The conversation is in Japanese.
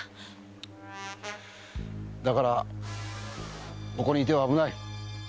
だからここにいては危ない。